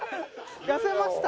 痩せました？